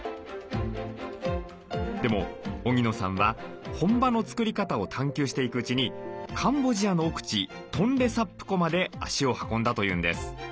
でも荻野さんは本場の作り方を探求していくうちにカンボジアの奥地トンレサップ湖まで足を運んだというんです。